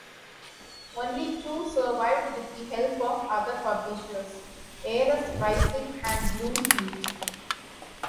Only two survived with the help of other publishers: "Ares Rising" and "Blue Heat".